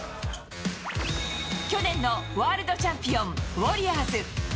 去年のワールドチャンピオン、ウォリアーズ。